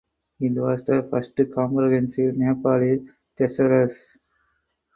It was the first comprehensive Nepali thesaurus.